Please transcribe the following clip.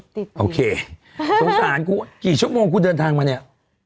ทุกอย่างโอเคสงสารกี่ชั่วโมงคู่เดินทางมาเนี่ย